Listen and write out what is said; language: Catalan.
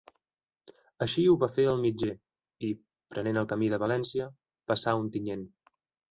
Així ho va fer el mitger i, prenent el camí de València, passà Ontinyent.